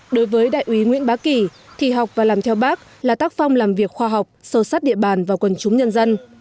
đối với đại úy nguyễn bá kỳ thì học và làm theo bác là tác phong làm việc khoa học sâu sát địa bàn và quần chúng nhân dân